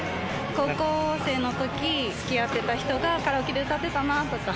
高校生のとき、つきあってた人がカラオケで歌ってたなとか。